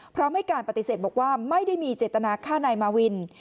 พร้อมให้การปฏิเสธบอกว่าไม่ได้มีเจตนาฆ่านายมาวิน